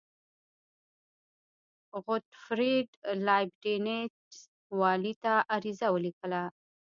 غوتفریډ لایبینټس والي ته عریضه ولیکله.